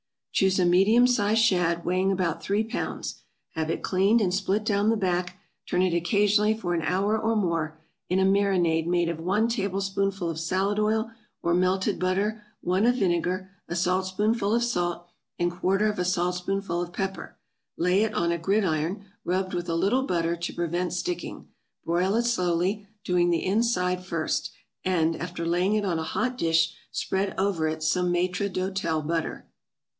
= Choose a medium sized shad, weighing about three pounds, have it cleaned and split down the back; turn it occasionally for an hour or more, in a marinade made of one tablespoonful of salad oil, or melted butter, one of vinegar, a saltspoonful of salt, and quarter of a saltspoonful of pepper; lay it on a gridiron, rubbed with a little butter to prevent sticking, broil it slowly, doing the inside first, and, after laying it on a hot dish, spread over it some maître d'hotel butter.